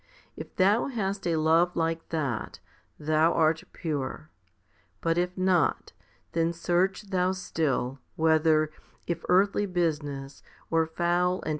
If thou hast a love like that, thou art pure ; but if not, then search thou still, whether, if earthly business or foul and evil 1 Matt.